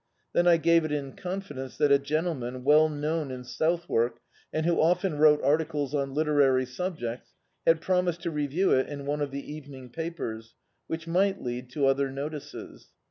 Then I gave it in confidence that a gentleman, well known in Southwark, and who often wrote articles on literary subjects, had promised to review it in one of the evening papers, which might lead to other notices.